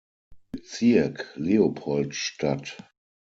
Bezirk Leopoldstadt.